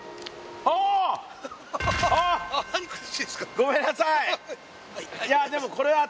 ごめんなさい。